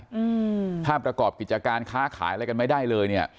อืมถ้าประกอบกิจการค้าขายอะไรกันไม่ได้เลยเนี้ย